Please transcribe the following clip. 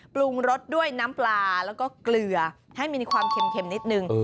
ปรุงรสด้วยน้ำปลาแล้วก็เกลือให้มีความเค็มนิดนึง